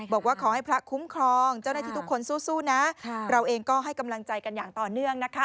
บอกว่าขอให้พระคุ้มครองเจ้าหน้าที่ทุกคนสู้นะเราเองก็ให้กำลังใจกันอย่างต่อเนื่องนะคะ